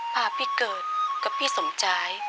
พาพี่เกิดกับพี่สมใจ